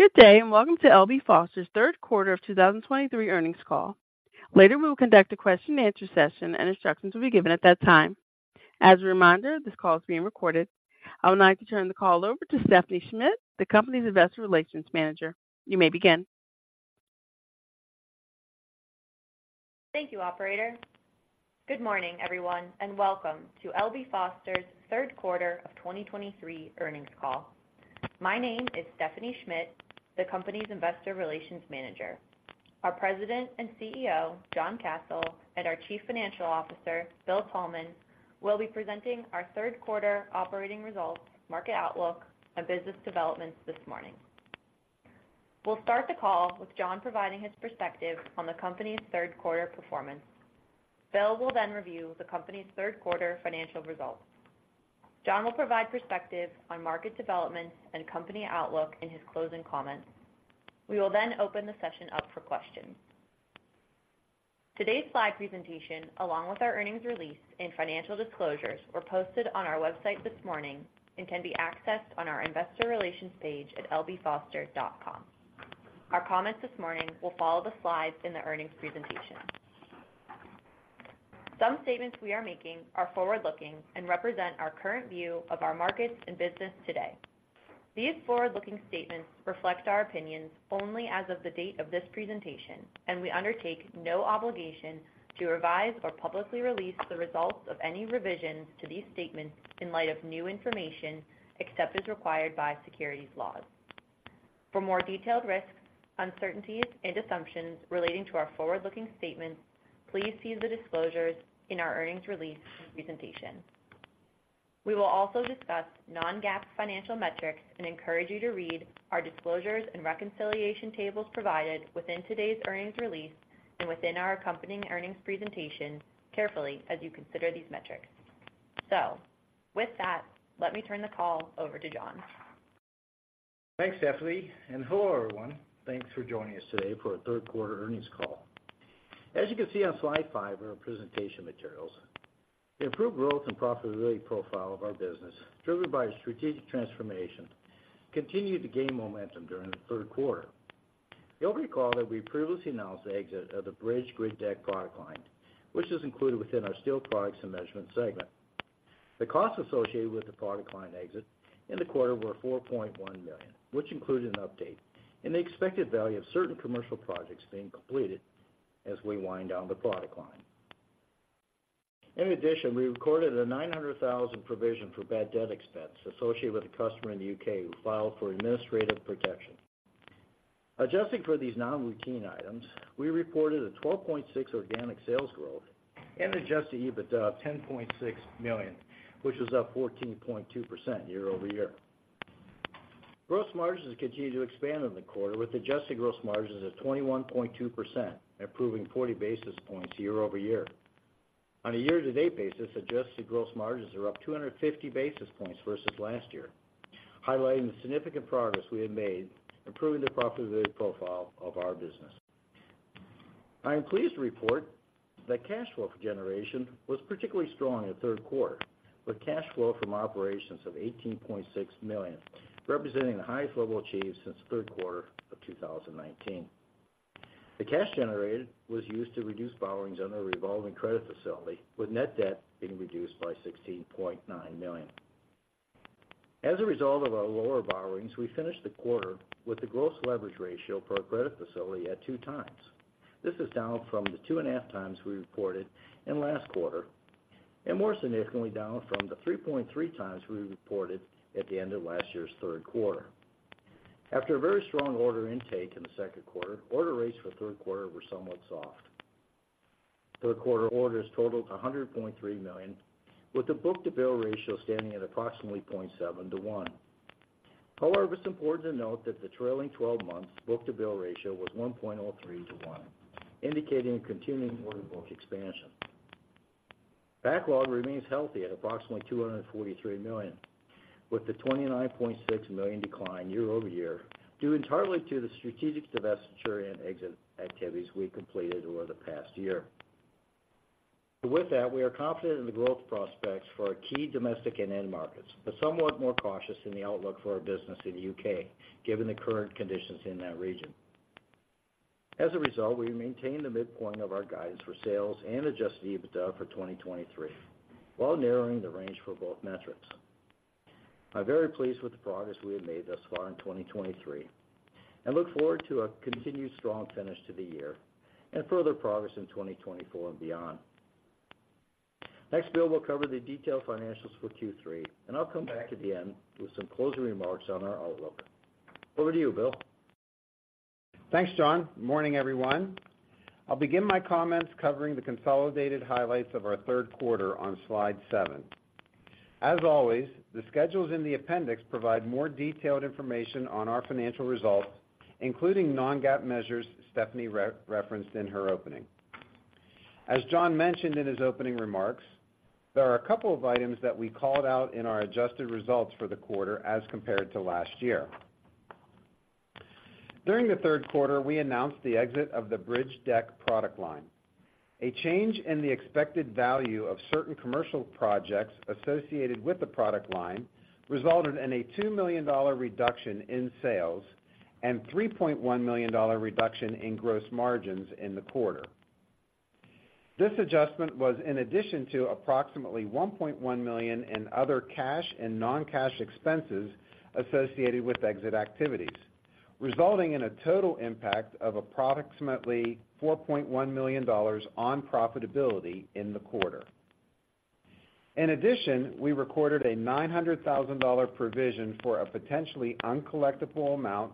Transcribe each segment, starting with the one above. Good day, and welcome to L.B. Foster's third quarter of 2023 earnings call. Later, we will conduct a question-and-answer session, and instructions will be given at that time. As a reminder, this call is being recorded. I would now like to turn the call over to Stephanie Schmidt, the company's Investor Relations Manager. You may begin. Thank you, operator. Good morning, everyone, and welcome to L.B. Foster's third quarter of 2023 earnings call. My name is Stephanie Schmidt, the company's Investor Relations Manager. Our President and CEO, John Kasel, and our Chief Financial Officer, Bill Thalman, will be presenting our third quarter operating results, market outlook, and business developments this morning. We'll start the call with John providing his perspective on the company's third quarter performance. Bill will then review the company's third quarter financial results. John will provide perspective on market developments and company outlook in his closing comments. We will then open the session up for questions. Today's slide presentation, along with our earnings release and financial disclosures, were posted on our website this morning and can be accessed on our Investor Relations page at lbfoster.com. Our comments this morning will follow the slides in the earnings presentation. Some statements we are making are forward-looking and represent our current view of our markets and business today. These forward-looking statements reflect our opinions only as of the date of this presentation, and we undertake no obligation to revise or publicly release the results of any revisions to these statements in light of new information, except as required by securities laws. For more detailed risks, uncertainties, and assumptions relating to our forward-looking statements, please see the disclosures in our earnings release presentation. We will also discuss non-GAAP financial metrics and encourage you to read our disclosures and reconciliation tables provided within today's earnings release and within our accompanying earnings presentation carefully as you consider these metrics. With that, let me turn the call over to John. Thanks, Stephanie, and hello, everyone. Thanks for joining us today for our third quarter earnings call. As you can see on slide 5 of our presentation materials, the improved growth and profitability profile of our business, driven by strategic transformation, continued to gain momentum during the third quarter. You'll recall that we previously announced the exit of the Bridge Grid Deck product line, which is included within our Steel Products and Measurements segment. The costs associated with the product line exit in the quarter were $4.1 million, which included an update in the expected value of certain commercial projects being completed as we wind down the product line. In addition, we recorded a $900,000 provision for bad debt expense associated with a customer in the U.K. who filed for administrative protection. Adjusting for these non-routine items, we reported a 12.6 organic sales growth and adjusted EBITDA of $10.6 million, which was up 14.2% year-over-year. Gross margins continued to expand in the quarter, with adjusted gross margins of 21.2%, improving 40 basis points year-over-year. On a year-to-date basis, adjusted gross margins are up 250 basis points versus last year, highlighting the significant progress we have made improving the profitability profile of our business. I am pleased to report that cash flow generation was particularly strong in the third quarter, with cash flow from operations of $18.6 million, representing the highest level achieved since the third quarter of 2019. The cash generated was used to reduce borrowings under the revolving credit facility, with net debt being reduced by $16.9 million. As a result of our lower borrowings, we finished the quarter with a gross leverage ratio for our credit facility at two times. This is down from the two and a half times we reported in last quarter, and more significantly, down from the three point three times we reported at the end of last year's third quarter. After a very strong order intake in the second quarter, order rates for the third quarter were somewhat soft. Third quarter orders totaled $100.3 million, with the book-to-bill ratio standing at approximately point seven to one. However, it's important to note that the trailing twelve-month book-to-bill ratio was one point o three to one, indicating a continuing order book expansion. Backlog remains healthy at approximately $243 million, with the $29.6 million decline year-over-year due entirely to the strategic divestiture and exit activities we completed over the past year. With that, we are confident in the growth prospects for our key domestic and end markets, but somewhat more cautious in the outlook for our business in the U.K., given the current conditions in that region. As a result, we've maintained the midpoint of our guidance for sales and Adjusted EBITDA for 2023, while narrowing the range for both metrics. I'm very pleased with the progress we have made thus far in 2023 and look forward to a continued strong finish to the year and further progress in 2024 and beyond. Next, Bill will cover the detailed financials for Q3, and I'll come back at the end with some closing remarks on our outlook. Over to you, Bill. Thanks, John. Good morning, everyone. I'll begin my comments covering the consolidated highlights of our third quarter on slide seven. As always, the schedules in the appendix provide more detailed information on our financial results, including non-GAAP measures Stephanie re-referenced in her opening. As John mentioned in his opening remarks, there are a couple of items that we called out in our adjusted results for the quarter as compared to last year. During the third quarter, we announced the exit of the Bridge Grid Deck product line. A change in the expected value of certain commercial projects associated with the product line resulted in a $2 million reduction in sales and $3.1 million reduction in gross margins in the quarter. This adjustment was in addition to approximately $1.1 million in other cash and non-cash expenses associated with exit activities, resulting in a total impact of approximately $4.1 million on profitability in the quarter. In addition, we recorded a $900,000 provision for a potentially uncollectible amount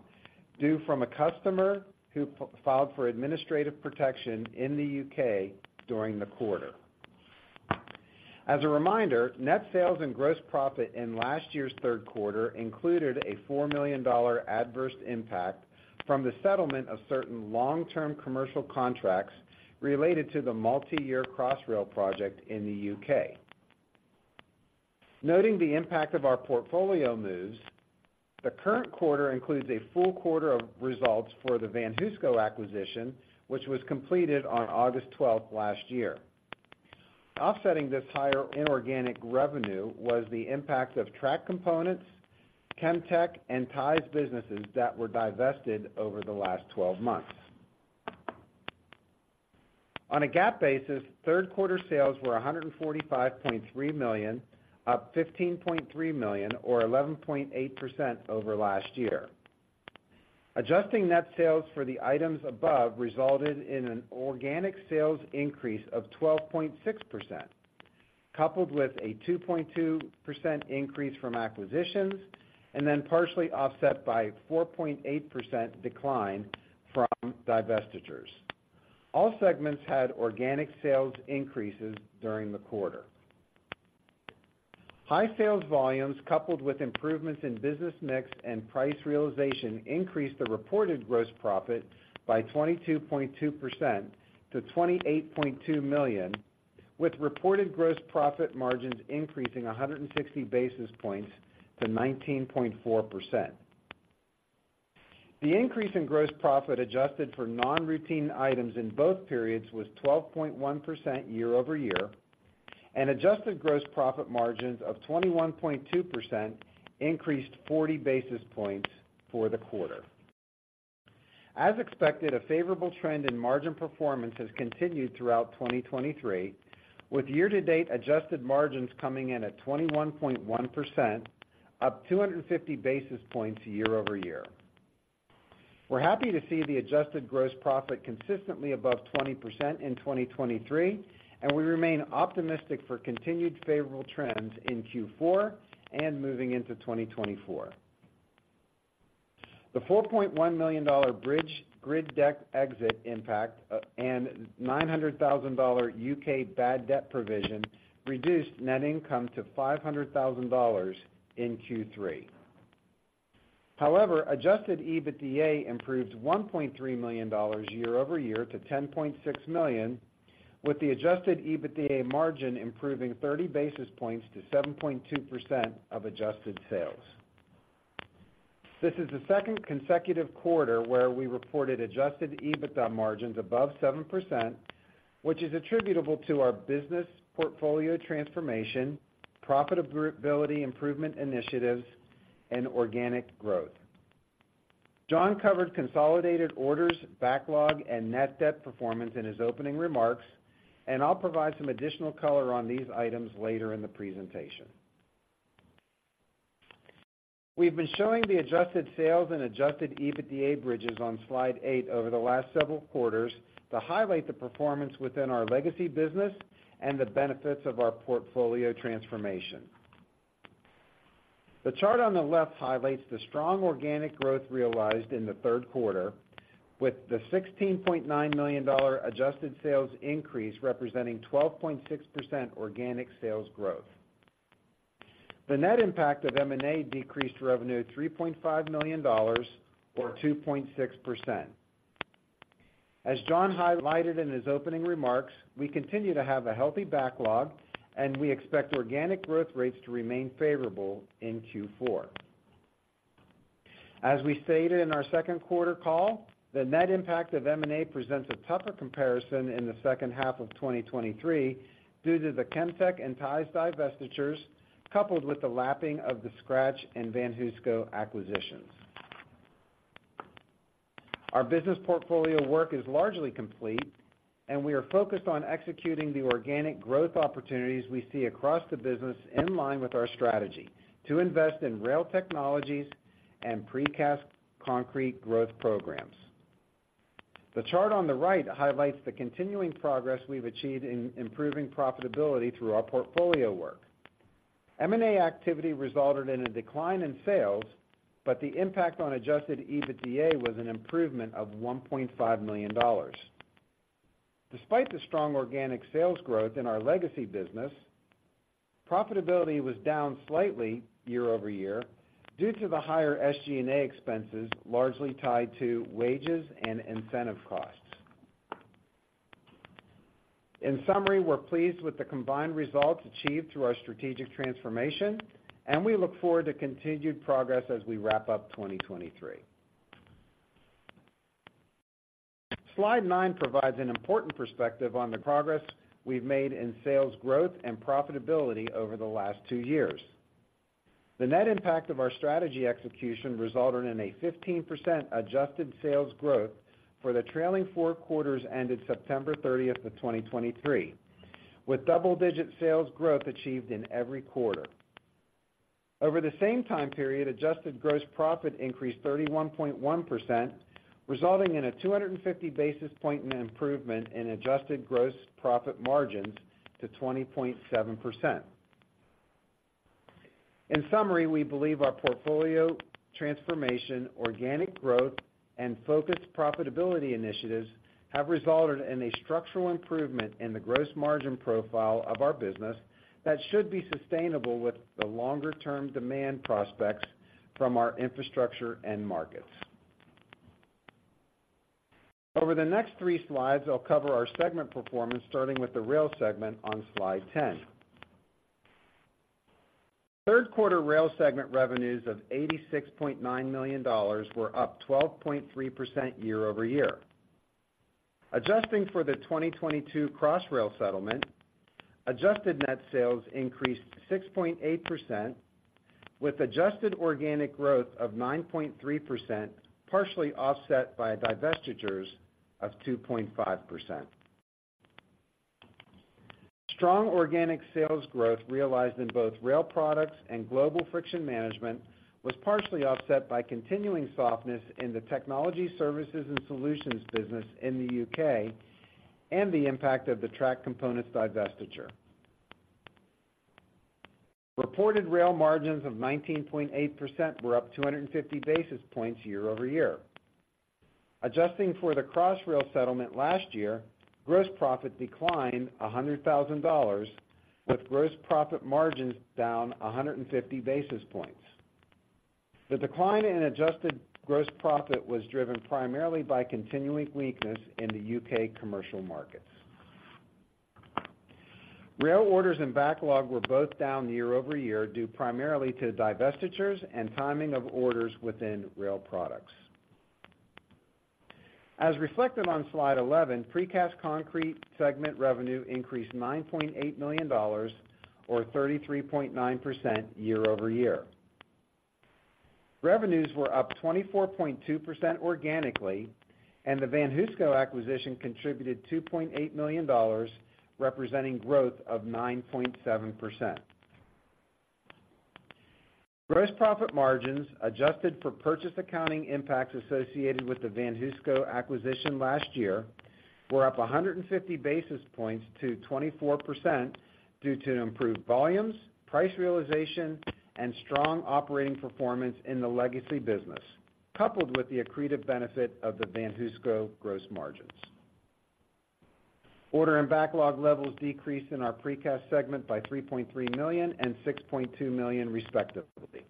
due from a customer who filed for administrative protection in the U.K. during the quarter. As a reminder, net sales and gross profit in last year's third quarter included a $4 million adverse impact from the settlement of certain long-term commercial contracts related to the multi-year Crossrail project in the U.K. Noting the impact of our portfolio moves, the current quarter includes a full quarter of results for the VanHooseCo acquisition, which was completed on August 12th last year. Offsetting this higher inorganic revenue was the impact of Track Components, Chemtec, and Ties businesses that were divested over the last twelve months. On a GAAP basis, third quarter sales were $145.3 million, up $15.3 million, or 11.8% over last year. Adjusting net sales for the items above resulted in an organic sales increase of 12.6%, coupled with a 2.2% increase from acquisitions, and then partially offset by 4.8% decline from divestitures. All segments had organic sales increases during the quarter. High sales volumes, coupled with improvements in business mix and price realization, increased the reported gross profit by 22.2% to $28.2 million, with reported gross profit margins increasing 160 basis points to 19.4%. The increase in gross profit, adjusted for non-routine items in both periods, was 12.1% year-over-year, and adjusted gross profit margins of 21.2% increased 40 basis points for the quarter. As expected, a favorable trend in margin performance has continued throughout 2023, with year-to-date adjusted margins coming in at 21.1%, up 250 basis points year-over-year. We're happy to see the adjusted gross profit consistently above 20% in 2023, and we remain optimistic for continued favorable trends in Q4 and moving into 2024. The $4.1 million Bridge Grid Deck exit impact and $900,000 UK bad debt provision reduced net income to $500,000 in Q3. However, Adjusted EBITDA improved $1.3 million year-over-year to $10.6 million, with the Adjusted EBITDA margin improving 30 basis points to 7.2% of adjusted sales. This is the second consecutive quarter where we reported Adjusted EBITDA margins above 7%, which is attributable to our business portfolio transformation, profitability improvement initiatives, and organic growth. John covered consolidated orders, backlog, and net debt performance in his opening remarks, and I'll provide some additional color on these items later in the presentation. We've been showing the adjusted sales and Adjusted EBITDA bridges on slide eight over the last several quarters to highlight the performance within our legacy business and the benefits of our portfolio transformation. The chart on the left highlights the strong organic growth realized in the third quarter, with the $16.9 million adjusted sales increase representing 12.6% organic sales growth. The net impact of M&A decreased revenue $3.5 million, or 2.6%. As John highlighted in his opening remarks, we continue to have a healthy backlog, and we expect organic growth rates to remain favorable in Q4. As we stated in our second quarter call, the net impact of M&A presents a tougher comparison in the second half of 2023 due to the Chemtec and Ties divestitures, coupled with the lapping of the Skratch and VanHooseCo acquisitions. Our business portfolio work is largely complete, and we are focused on executing the organic growth opportunities we see across the business, in line with our strategy to invest in rail technologies and precast concrete growth programs. The chart on the right highlights the continuing progress we've achieved in improving profitability through our portfolio work. M&A activity resulted in a decline in sales, but the impact on adjusted EBITDA was an improvement of $1.5 million. Despite the strong organic sales growth in our legacy business, profitability was down slightly year-over-year due to the higher SG&A expenses, largely tied to wages and incentive costs. In summary, we're pleased with the combined results achieved through our strategic transformation, and we look forward to continued progress as we wrap up 2023. Slide nine provides an important perspective on the progress we've made in sales growth and profitability over the last two years. The net impact of our strategy execution resulted in a 15% adjusted sales growth for the trailing four quarters ended September 30th, 2023, with double-digit sales growth achieved in every quarter. Over the same time period, adjusted gross profit increased 31.1%, resulting in a 250 basis point improvement in adjusted gross profit margins to 20.7%. In summary, we believe our portfolio transformation, organic growth, and focused profitability initiatives have resulted in a structural improvement in the gross margin profile of our business that should be sustainable with the longer-term demand prospects from our infrastructure end markets. Over the next three slides, I'll cover our segment performance, starting with the rail segment on Slide 10. Third quarter rail segment revenues of $86.9 million were up 12.3% year-over-year. Adjusting for the 2022 Crossrail settlement, adjusted net sales increased 6.8%, with adjusted organic growth of 9.3%, partially offset by divestitures of 2.5%. Strong organic sales growth realized in both Rail Products and Global Friction Management was partially offset by continuing softness in the Technology Services and Solutions business in the U.K. and the impact of the Track Components divestiture. Reported rail margins of 19.8% were up 250 basis points year-over-year. Adjusting for the Crossrail settlement last year, gross profit declined $100,000, with gross profit margins down 150 basis points. The decline in adjusted gross profit was driven primarily by continuing weakness in the U.K. commercial markets. Rail orders and backlog were both down year-over-year, due primarily to divestitures and timing of orders within rail products. As reflected on Slide 11, Precast Concrete segment revenue increased $9.8 million or 33.9% year-over-year. Revenues were up 24.2% organically, and the VanHooseCo acquisition contributed $2.8 million, representing growth of 9.7%. Gross profit margins, adjusted for purchase accounting impacts associated with the VanHooseCo acquisition last year, were up 150 basis points to 24% due to improved volumes, price realization, and strong operating performance in the legacy business, coupled with the accretive benefit of the VanHooseCo gross margins. Order and backlog levels decreased in our precast segment by $3.3 million and $6.2 million, respectively.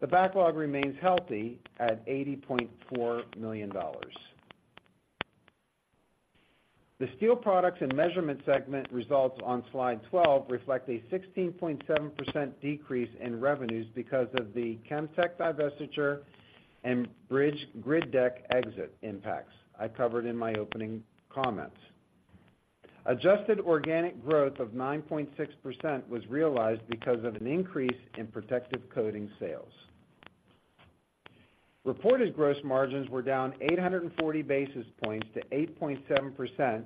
The backlog remains healthy at $80.4 million. The Steel Products and Measurement segment results on Slide 12 reflect a 16.7% decrease in revenues because of the Chemtec divestiture and Bridge Grid Deck exit impacts I covered in my opening comments. Adjusted organic growth of 9.6% was realized because of an increase in protective coating sales. Reported gross margins were down 840 basis points to 8.7%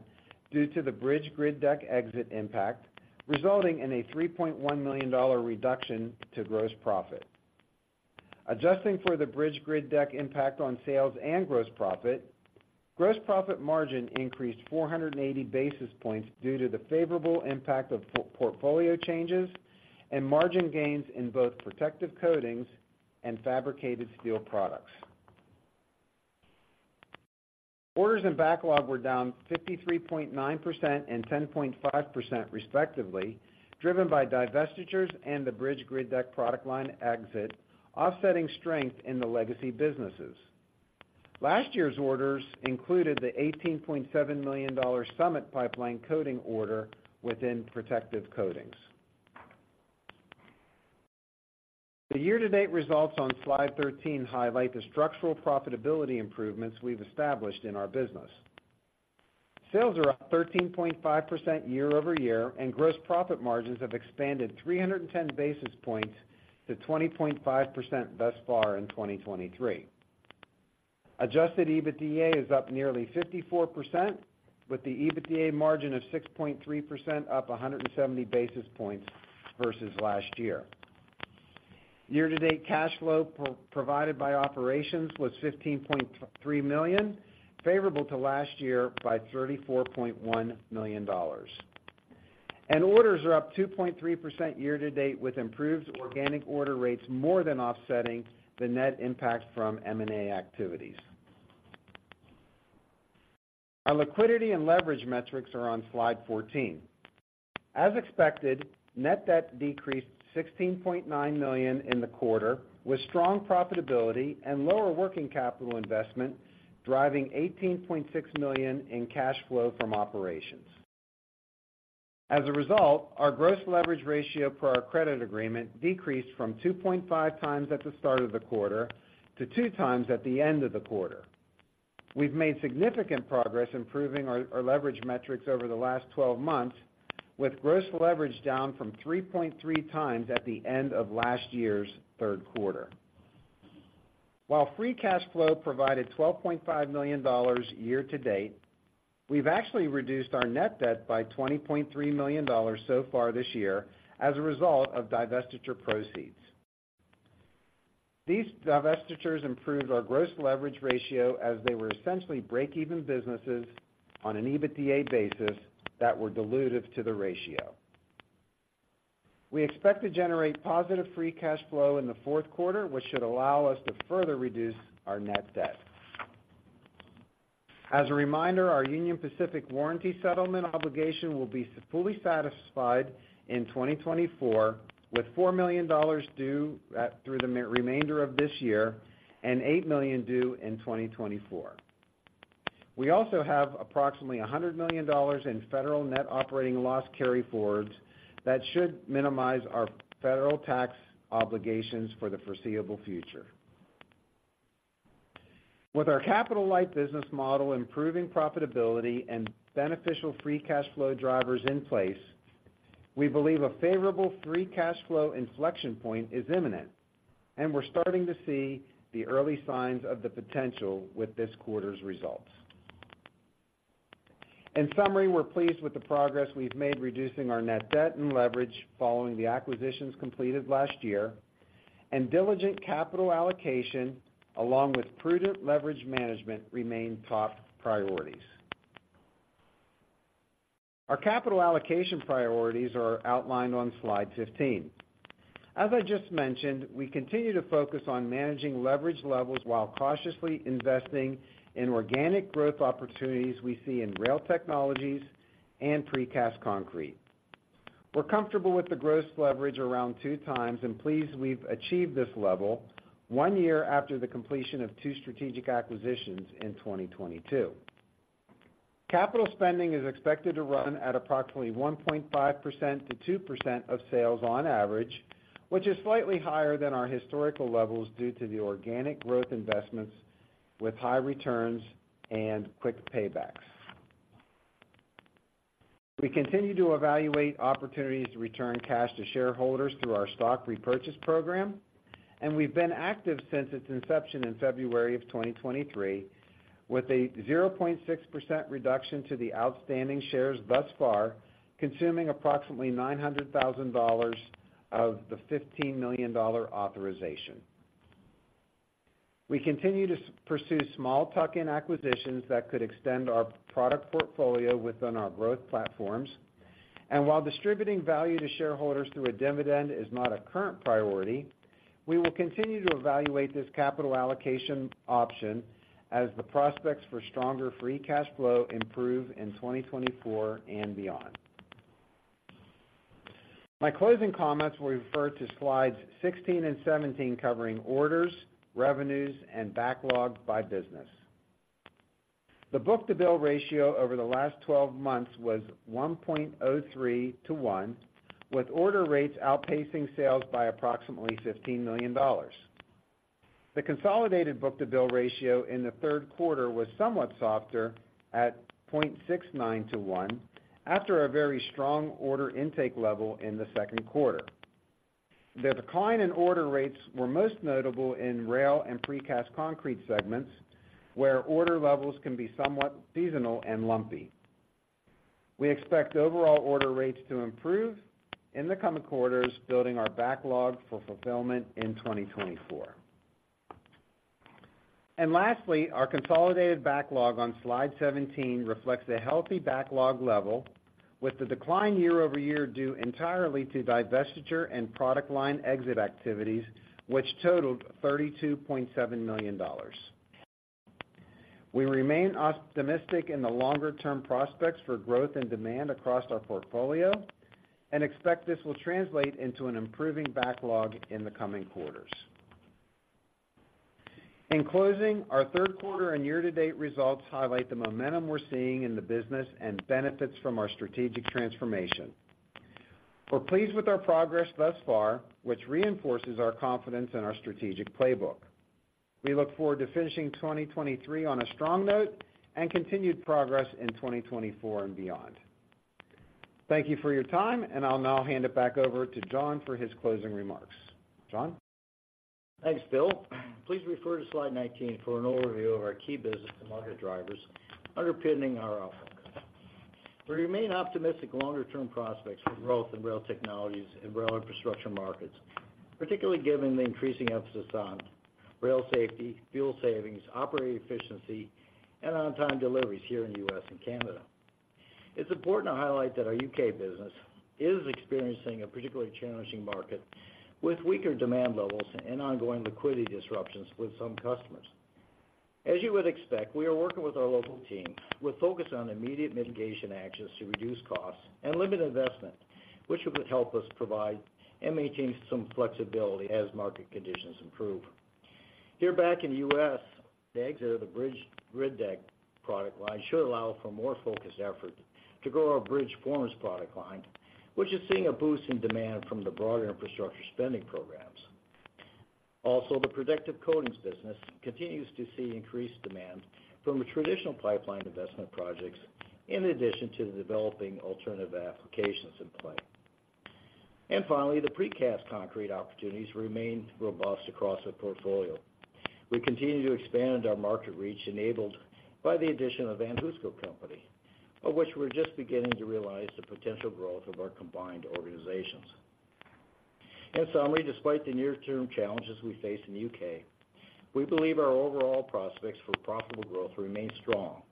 due to the Bridge Grid Deck exit impact, resulting in a $3.1 million reduction to gross profit. Adjusting for the Bridge Grid Deck impact on sales and gross profit, gross profit margin increased 480 basis points due to the favorable impact of portfolio changes and margin gains in both Protective Coatings and Fabricated Steel Products. Orders and backlog were down 53.9% and 10.5%, respectively, driven by divestitures and the Bridge Grid Deck product line exit, offsetting strength in the legacy businesses. Last year's orders included the $18.7 million Summit pipeline coating order within Protective Coatings. The year-to-date results on Slide 13 highlight the structural profitability improvements we've established in our business. Sales are up 13.5% year-over-year, and gross profit margins have expanded 310 basis points to 20.5% thus far in 2023. Adjusted EBITDA is up nearly 54%, with the EBITDA margin of 6.3% up 170 basis points versus last year. Year-to-date cash flow provided by operations was $15.3 million, favorable to last year by $34.1 million. And orders are up 2.3% year-to-date, with improved organic order rates more than offsetting the net impact from M&A activities. Our liquidity and leverage metrics are on Slide 14. As expected, net debt decreased $16.9 million in the quarter, with strong profitability and lower working capital investment, driving $18.6 million in cash flow from operations. As a result, our gross leverage ratio for our credit agreement decreased from two point five times at the start of the quarter to two times at the end of the quarter. We've made significant progress improving our leverage metrics over the last 12 months, with gross leverage down from three point three times at the end of last year's third quarter. While free cash flow provided $12.5 million year-to-date, we've actually reduced our net debt by $20.3 million so far this year as a result of divestiture proceeds. These divestitures improved our gross leverage ratio as they were essentially break-even businesses on an EBITDA basis that were dilutive to the ratio. We expect to generate positive free cash flow in the fourth quarter, which should allow us to further reduce our net debt. As a reminder, our Union Pacific warranty settlement obligation will be fully satisfied in 2024, with $4 million due through the remainder of this year and $8 million due in 2024. We also have approximately $100 million in federal net operating loss carryforwards that should minimize our federal tax obligations for the foreseeable future. With our capital-light business model, improving profitability, and beneficial free cash flow drivers in place, we believe a favorable free cash flow inflection point is imminent, and we're starting to see the early signs of the potential with this quarter's results. In summary, we're pleased with the progress we've made, reducing our net debt and leverage following the acquisitions completed last year, and diligent capital allocation, along with prudent leverage management, remain top priorities. Our capital allocation priorities are outlined on slide 15. As I just mentioned, we continue to focus on managing leverage levels while cautiously investing in organic growth opportunities we see in rail technologies and precast concrete. We're comfortable with the gross leverage around 2x and pleased we've achieved this level 1 year after the completion of two strategic acquisitions in 2022. Capital spending is expected to run at approximately 1.5%-2% of sales on average, which is slightly higher than our historical levels due to the organic growth investments with high returns and quick paybacks. We continue to evaluate opportunities to return cash to shareholders through our stock repurchase program, and we've been active since its inception in February of 2023, with a 0.6% reduction to the outstanding shares thus far, consuming approximately $900,000 of the $15 million authorization. We continue to pursue small tuck-in acquisitions that could extend our product portfolio within our growth platforms. And while distributing value to shareholders through a dividend is not a current priority, we will continue to evaluate this capital allocation option as the prospects for stronger free cash flow improve in 2024 and beyond. My closing comments will refer to slides 16 and 17, covering orders, revenues, and backlog by business. The book-to-bill ratio over the last 12 months was one point o three to one, with order rates outpacing sales by approximately $15 million. The consolidated book-to-bill ratio in the third quarter was somewhat softer at point six nine to one, after a very strong order intake level in the second quarter. The decline in order rates were most notable in rail and precast concrete segments, where order levels can be somewhat seasonal and lumpy. We expect overall order rates to improve in the coming quarters, building our backlog for fulfillment in 2024. And lastly, our consolidated backlog on slide 17 reflects a healthy backlog level, with the decline year-over-year due entirely to divestiture and product line exit activities, which totaled $32.7 million. We remain optimistic in the longer-term prospects for growth and demand across our portfolio and expect this will translate into an improving backlog in the coming quarters. In closing, our third quarter and year-to-date results highlight the momentum we're seeing in the business and benefits from our strategic transformation. We're pleased with our progress thus far, which reinforces our confidence in our strategic playbook. We look forward to finishing 2023 on a strong note and continued progress in 2024 and beyond. Thank you for your time, and I'll now hand it back over to John for his closing remarks. John? Thanks, Bill. Please refer to slide 19 for an overview of our key business and market drivers underpinning our outlook. We remain optimistic longer-term prospects for growth in rail technologies and rail infrastructure markets, particularly given the increasing emphasis on rail safety, fuel savings, operating efficiency, and on-time deliveries here in the U.S. and Canada. It's important to highlight that our U.K. business is experiencing a particularly challenging market, with weaker demand levels and ongoing liquidity disruptions with some customers. As you would expect, we are working with our local teams with focus on immediate mitigation actions to reduce costs and limit investment, which would help us provide and maintain some flexibility as market conditions improve. Here back in the U.S., the exit of the Bridge Grid Deck product line should allow for more focused effort to grow our bridge forms product line, which is seeing a boost in demand from the broader infrastructure spending programs. Also, the Protective Coatings business continues to see increased demand from the traditional pipeline investment projects, in addition to the developing alternative applications in play. Finally, the precast concrete opportunities remain robust across the portfolio. We continue to expand our market reach, enabled by the addition of VanHooseCo, of which we're just beginning to realize the potential growth of our combined organizations. In summary, despite the near-term challenges we face in the UK, we believe our overall prospects for profitable growth remain strong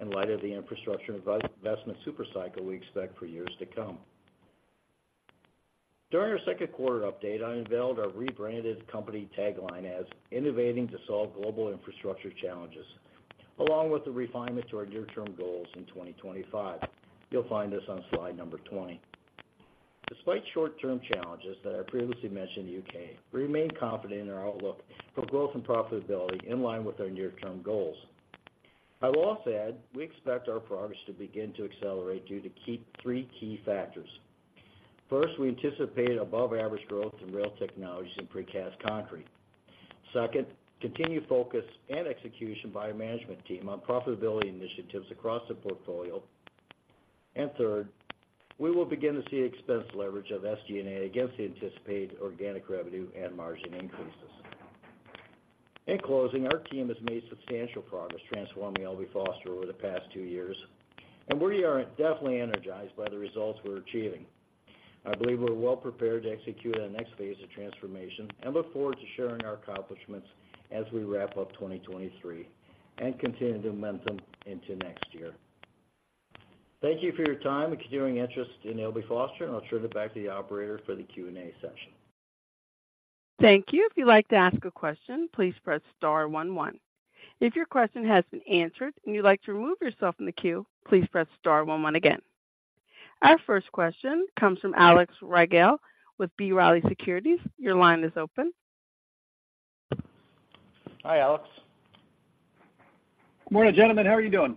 in light of the infrastructure investment super cycle we expect for years to come. During our second quarter update, I unveiled our rebranded company tagline as "Innovating to solve global infrastructure challenges," along with the refinement to our near-term goals in 2025. You'll find this on slide number 20. Despite short-term challenges that I previously mentioned in the UK, we remain confident in our outlook for growth and profitability in line with our near-term goals. I will also add, we expect our progress to begin to accelerate due to three key factors. First, we anticipate above-average growth in rail technologies and precast concrete. Second, continued focus and execution by our management team on profitability initiatives across the portfolio. And third, we will begin to see expense leverage of SG&A against the anticipated organic revenue and margin increases. In closing, our team has made substantial progress transforming L.B. Foster over the past two years, and we are definitely energized by the results we're achieving. I believe we're well prepared to execute on the next phase of transformation, and look forward to sharing our accomplishments as we wrap up 2023 and continue the momentum into next year. Thank you for your time and continuing interest in L.B. Foster, and I'll turn it back to the operator for the Q&A session. Thank you. If you'd like to ask a question, please press star one one. If your question has been answered and you'd like to remove yourself from the queue, please press star one one again. Our first question comes from Alex Rygiel with B. Riley Securities. Your line is open. Hi, Alex. Good morning, gentlemen. How are you doing?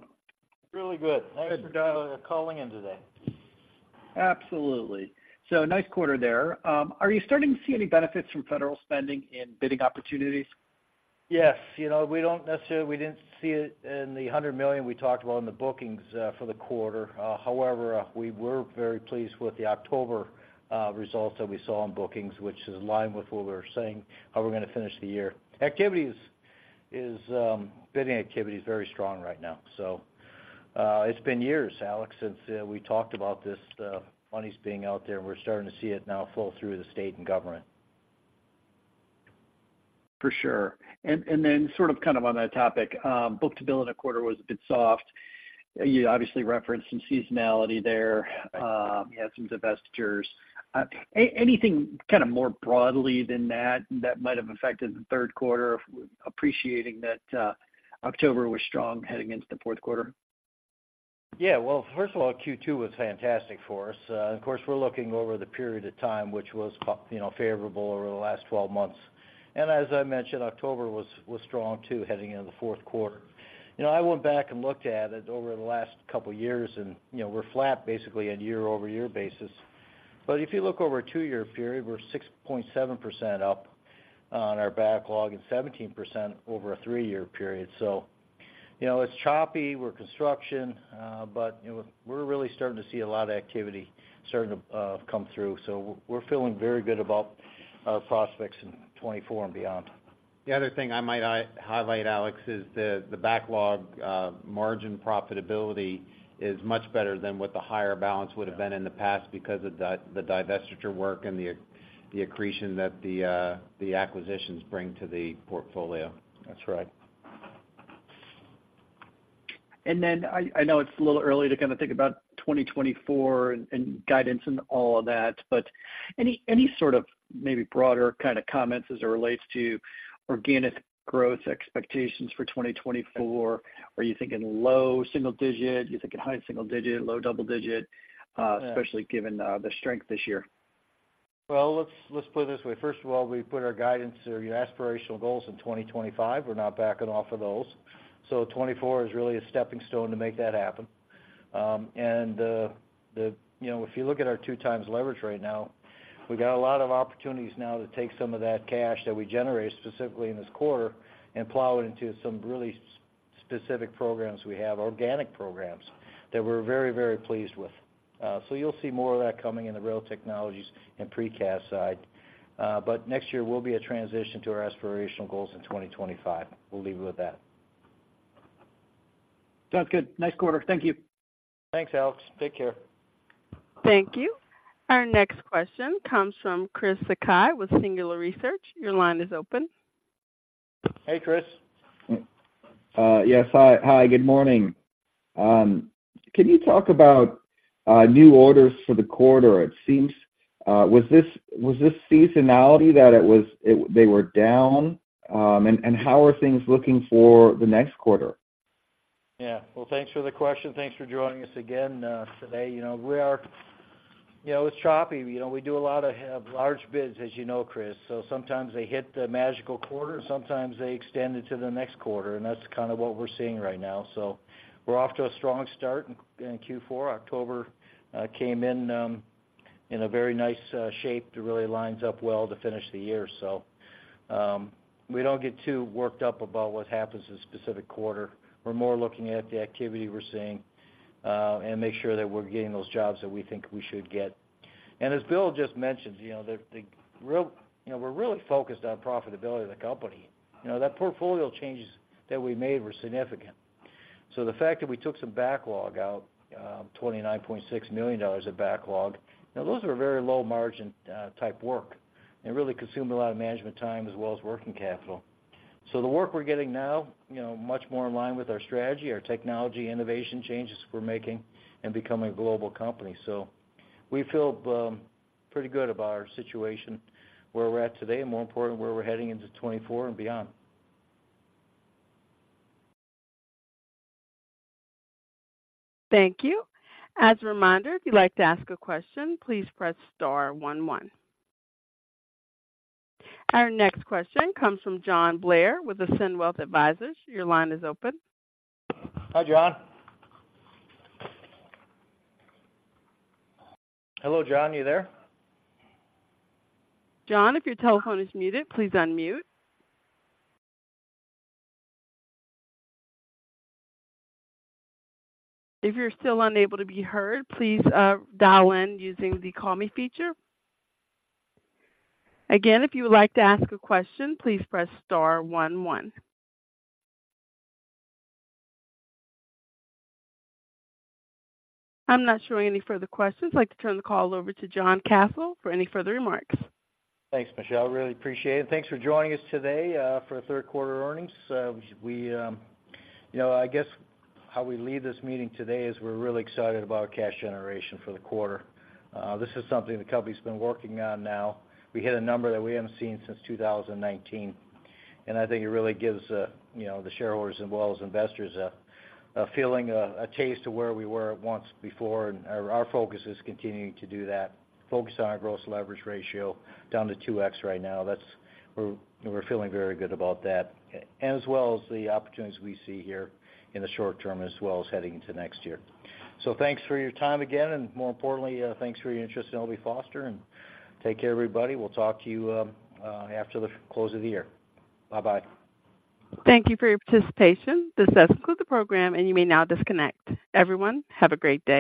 Really good. Thanks for calling in today. Absolutely. So nice quarter there. Are you starting to see any benefits from federal spending in bidding opportunities? Yes. You know, we don't necessarily, we didn't see it in the $100 million we talked about in the bookings for the quarter. However, we were very pleased with the October results that we saw in bookings, which is in line with what we're saying, how we're gonna finish the year. Bidding activity is very strong right now. So, it's been years, Alex, since we talked about this, monies being out there, and we're starting to see it now flow through the state and government. For sure. And then sort of, kind of, on that topic, book-to-bill in the quarter was a bit soft. You obviously referenced some seasonality there, you had some divestitures. Anything kind of more broadly than that, that might have affected the third quarter, appreciating that, October was strong heading into the fourth quarter? Yeah. Well, first of all, Q2 was fantastic for us. Of course, we're looking over the period of time, which was, you know, favorable over the last 12 months. And as I mentioned, October was, was strong too, heading into the fourth quarter. You know, I went back and looked at it over the last couple of years, and, you know, we're flat basically on a year-over-year basis. But if you look over a two-year period, we're 6.7% up on our backlog and 17% over a three-year period. So, you know, it's choppy, we're construction, but, you know, we're really starting to see a lot of activity starting to, come through. So we're feeling very good about our prospects in 2024 and beyond. The other thing I might highlight, Alex, is the backlog margin profitability is much better than what the higher balance would have been in the past because of the divestiture work and the accretion that the acquisitions bring to the portfolio. That's right. And then I, I know it's a little early to kind of think about 2024 and, and guidance and all of that, but any, any sort of maybe broader kind of comments as it relates to organic growth expectations for 2024? Are you thinking low single digit? Are you thinking high single digit, low double digit? Yeah Especially given, the strength this year? Well, let's put it this way. First of all, we put our guidance or your aspirational goals in 2025. We're not backing off of those. So 2024 is really a stepping stone to make that happen. And you know, if you look at our two times leverage right now, we've got a lot of opportunities now to take some of that cash that we generated, specifically in this quarter, and plow it into some really specific programs we have, organic programs, that we're very, very pleased with. So you'll see more of that coming in the rail technologies and precast side. But next year will be a transition to our aspirational goals in 2025. We'll leave it with that. Sounds good. Nice quarter. Thank you. Thanks, Alex. Take care. Thank you. Our next question comes from Chris Sakai with Singular Research. Your line is open. Hey, Chris. Yes, hi. Hi, good morning. Can you talk about new orders for the quarter? It seems was this seasonality that it was it, they were down? And how are things looking for the next quarter? Yeah. Well, thanks for the question. Thanks for joining us again, today. You know, we are, you know, it's choppy. You know, we do a lot of large bids, as you know, Chris, so sometimes they hit the magical quarter, sometimes they extend it to the next quarter, and that's kind of what we're seeing right now. So we're off to a strong start in Q4. October came in in a very nice shape to really lines up well to finish the year. So we don't get too worked up about what happens in a specific quarter. We're more looking at the activity we're seeing, and make sure that we're getting those jobs that we think we should get. And as Bill just mentioned, you know, we're really focused on profitability of the company. You know, that portfolio changes that we made were significant. So the fact that we took some backlog out, $29.6 million of backlog, now, those are very low margin type work and really consumed a lot of management time as well as working capital. So the work we're getting now, you know, much more in line with our strategy, our technology, innovation changes we're making and becoming a global company. So we feel, pretty good about our situation, where we're at today, and more importantly, where we're heading into 2024 and beyond. Thank you. As a reminder, if you'd like to ask a question, please press star one, one. Our next question comes from John Blair with Ascend Wealth Advisors. Your line is open. Hi, John. Hello, John. Are you there? John, if your telephone is muted, please unmute. If you're still unable to be heard, please, dial in using the Call Me feature. Again, if you would like to ask a question, please press star one one. I'm not showing any further questions. I'd like to turn the call over to John Kasel for any further remarks. Thanks, Michelle. I really appreciate it. Thanks for joining us today for the third quarter earnings. You know, I guess how we leave this meeting today is we're really excited about our cash generation for the quarter. This is something the company's been working on now. We hit a number that we haven't seen since 2019, and I think it really gives you know, the shareholders as well as investors a feeling, a taste of where we were at once before. Our focus is continuing to do that. Focus on our gross leverage ratio down to 2x right now. That's. We're feeling very good about that, as well as the opportunities we see here in the short term, as well as heading into next year. So thanks for your time again, and more importantly, thanks for your interest in L.B. Foster and take care, everybody. We'll talk to you after the close of the year. Bye-bye. Thank you for your participation. This does conclude the program, and you may now disconnect. Everyone, have a great day.